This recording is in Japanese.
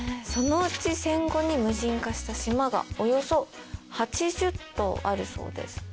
そのうち戦後に無人化した島がおよそ８０島あるそうです。